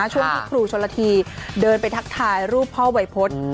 ช่วงที่ครูโชลธีเดินไปทักถ่ายรูปพ่อเวย์พจน์